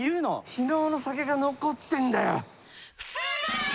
昨日の酒が残ってんだよ。